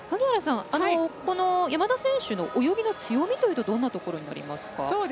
この山田選手の泳ぎの強みはどんなところになりますか。